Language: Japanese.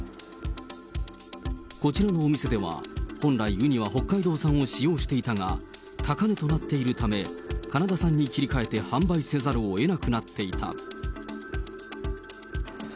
こちらのお店では本来ウニは北海道産を使用していたが、高値となっているため、カナダ産に切り替えて販売せざるをえなくなっていた。